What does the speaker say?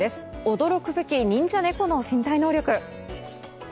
驚くべき忍者猫の身体能力。